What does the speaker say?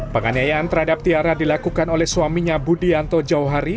penganyian terhadap tiara dilakukan oleh suaminya budi anto jauhari